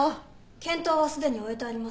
検討はすでに終えてあります。